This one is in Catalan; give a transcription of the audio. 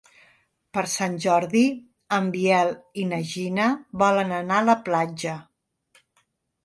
Per Sant Jordi en Biel i na Gina volen anar a la platja.